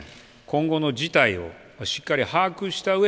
今後の事態をしっかり把握したう